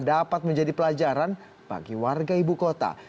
dapat menjadi pelajaran bagi warga ibu kota